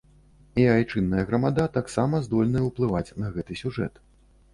І айчынная грамада таксама здольная ўплываць на гэты сюжэт.